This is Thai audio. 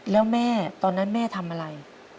แล้วแม่ตอนนั้นแม่ทำอะไร